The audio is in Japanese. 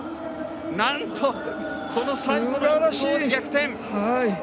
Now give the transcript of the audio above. なんと、この最後の投てきで逆転。